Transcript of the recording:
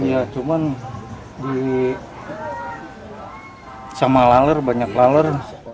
iya cuman sama laler banyak laler